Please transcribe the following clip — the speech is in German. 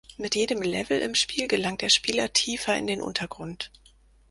Mit jedem Level im Spiel gelangt der Spieler tiefer in den Untergrund.